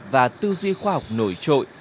và tư duy khoa học nổi trội